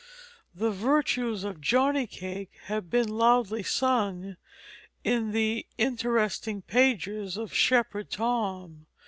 The virtues of "jonny cake" have been loudly sung in the interesting pages of Shepherd Tom.